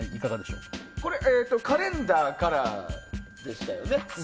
カレンダーからでしたよね。